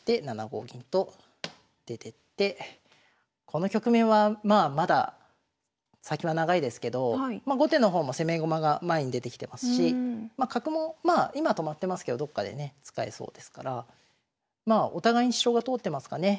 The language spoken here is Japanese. この局面はまあまだ先は長いですけど後手の方も攻め駒が前に出てきてますし角もまあ今止まってますけどどっかでね使えそうですからお互いに主張が通ってますかね。